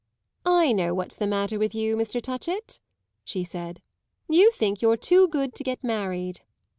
"I know what's the matter with you, Mr. Touchett," she said. "You think you're too good to get married."